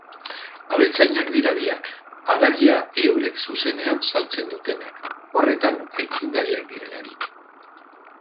Abeltzainak dira biak, haragia eurek zuzenean saltzen dutenak, horretan aitzindariak direlarik.